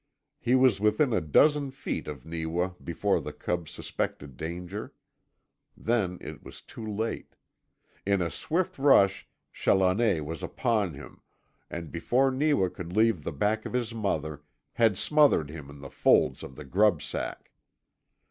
He was within a dozen feet of Neewa before the cub suspected danger. Then it was too late. In a swift rush Challoner was upon him and, before Neewa could leave the back of his mother, had smothered him in the folds of the grub sack.